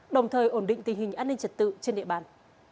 đồng thời ổn định tình hình an ninh trật tự trên địa bàn